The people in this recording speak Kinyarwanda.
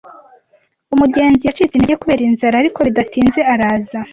Umugenzi yacitse intege kubera inzara, ariko bidatinze araza.